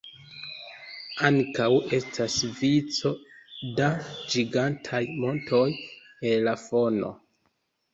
Ankaŭ estas vico da gigantaj montoj en la fono.